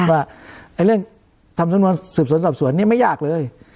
ว่าเรื่องทำสำนวนสืบสวนสอบสวนนี่ไม่ยากเลย